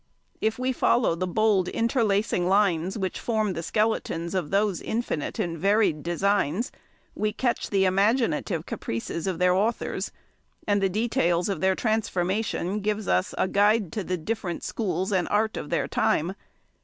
If we follow the bold interlacing lines which form the skeletons of those infinite and varied designs, we catch the imaginative caprices of their authors; and the details of their transformation gives us a guide to the different schools and art of their time.